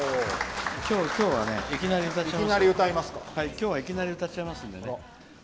今日はねいきなり歌っちゃいますんでね。